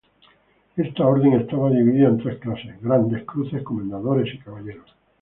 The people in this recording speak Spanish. Esta orden estaba dividida en tres clases: grandes cruces, comendadores y caballeros.